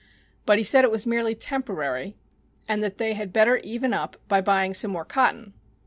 But he said it was merely temporary, and that they had better even up by buying some more cotton.